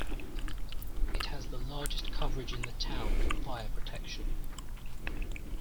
It has the largest coverage in the town for fire protection.